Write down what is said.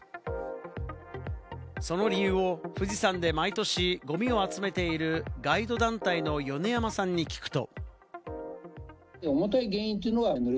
その理由を富士山で毎年ゴミを集めているガイド団体の米山さんに聞くと。